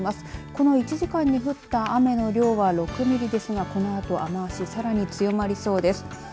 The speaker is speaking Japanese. この１時間に降った雨の量は６ミリですがこのあと雨足さらに強まりそうです。